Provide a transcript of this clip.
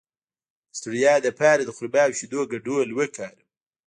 د ستړیا لپاره د خرما او شیدو ګډول وکاروئ